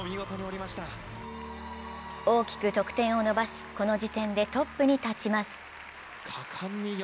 大きく得点を伸ばし、この時点でトップに立ちます。